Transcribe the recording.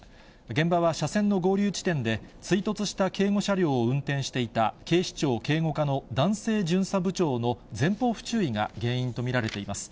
現場は車線の合流地点で、追突した警護車両を運転していた警視庁警護課の男性巡査部長の前方不注意が原因と見られています。